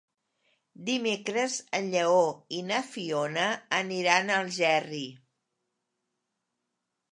Dimecres en Lleó i na Fiona aniran a Algerri.